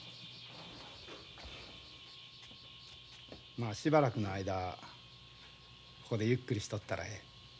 まあしばらくの間ここでゆっくりしとったらええ。